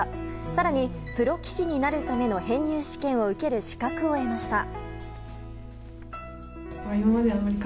更にプロ棋士になるための編入試験を受けました。